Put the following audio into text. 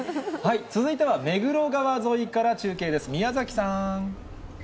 続いては目黒川沿いから中継です。